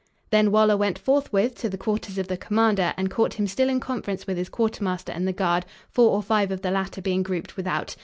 Then Waller went forthwith to the quarters of the commander and caught him still in conference with his quartermaster and the guard, four or five of the latter being grouped without.